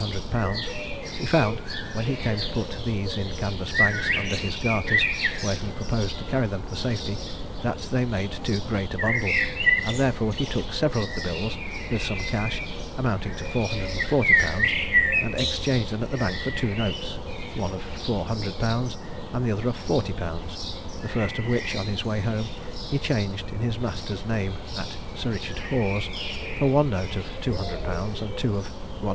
_, he found, when he came to put these in canvas bags under his garters, where he proposed to carry them for safety, that they made too great a bundle, and therefore he took several of the bills, with some cash, amounting to 440_l._, and exchanged them at the bank for two notes, one of 400_l._ and the other of 40_l._; the first of which, in his way home, he changed in his master's name, at Sir Richard Hoare's, for one note of 200_l._, and two of 100_l.